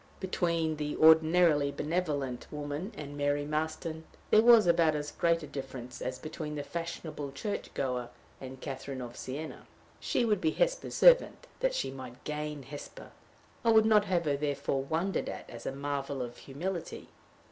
Between the ordinarily benevolent woman and Mary Marston, there was about as great a difference as between the fashionable church goer and Catherine of Siena. She would be Hesper's servant that she might gain Hesper. I would not have her therefore wondered at as a marvel of humility.